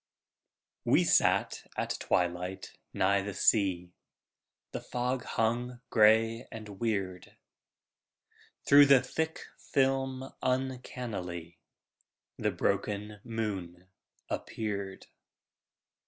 We sat at twilight nigh the sea, The fog hung gray and weird. Through the thick film uncannily The broken moon appeared.